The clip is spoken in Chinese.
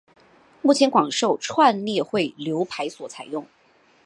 目前广受串列汇流排所采用。